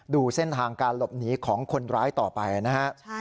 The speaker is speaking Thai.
ดูเส้นทางการหลบหนีของคนร้ายต่อไปนะฮะ